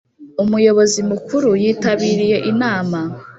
Umuyobozi Mukuru yitabiriye inama.